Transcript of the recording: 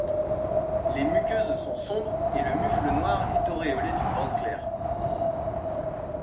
Les muqueuses sont sombres, et le mufle noir est auréolée d'une bande claire.